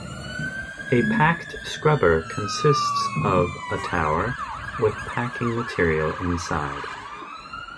A packed scrubber consists of a tower with packing material inside.